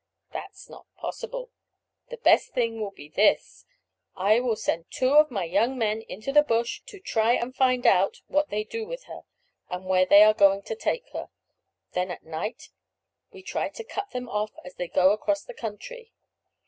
That's not possible. The best thing will be this: I will send two of my young men into the bush to try and find out what they do with her, and where they are going to take her. Then at night we try to cut them off as they go across the country.